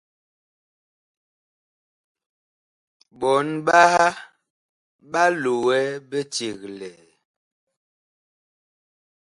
Ɓɔɔn ɓaha ɓa loɛ biceglɛɛ.